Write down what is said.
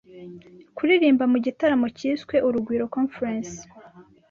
kuririmba mu gitaramo cyiswe Urugwiro Conference